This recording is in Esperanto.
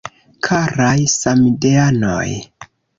Karaj samideanoj!